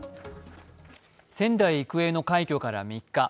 仙台育英の快挙から３日。